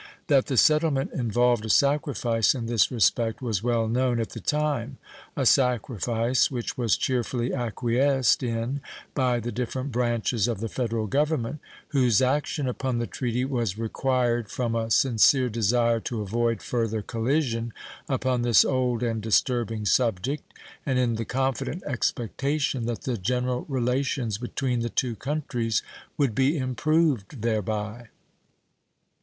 That the settlement involved a sacrifice in this respect was well known at the time a sacrifice which was cheerfully acquiesced in by the different branches of the Federal Government, whose action upon the treaty was required from a sincere desire to avoid further collision upon this old and disturbing subject and in the confident expectation that the general relations between the two countries would be improved thereby.